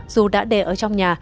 dù đã để ở trong nhà